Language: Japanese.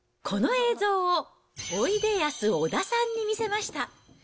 この映像をおいでやす小田さんに見せました。